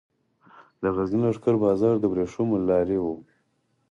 د غزني لښکر بازار د ورېښمو لارې و